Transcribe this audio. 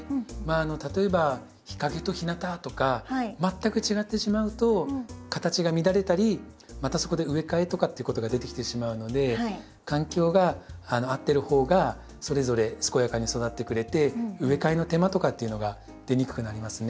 例えば日陰と日なたとか全く違ってしまうと形が乱れたりまたそこで植え替えとかっていうことが出てきてしまうので環境が合ってる方がそれぞれ健やかに育ってくれて植え替えの手間とかっていうのが出にくくなりますね。